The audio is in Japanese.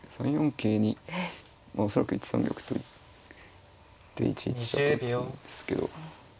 桂に恐らく１三玉と行って１一飛車と打つんですけど。